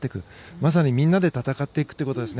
まさにみんなで戦っていくということですね。